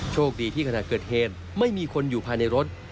โชคดีที่ขณะเกิดเหตุไม่มีคนอยู่ภายในรถ